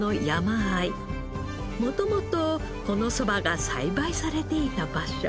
元々このそばが栽培されていた場所